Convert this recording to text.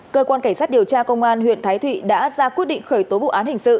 cơ quan cảnh sát điều tra công an huyện thái thụy đã ra quyết định khởi tố vụ án hình sự